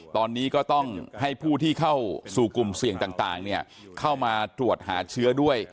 ตอนนี้ก็ต้องให้ผู้ที่เข้าสู่กลุ่มเสี่ยงต่างเข้ามาตรวจหาเชื้อด้วย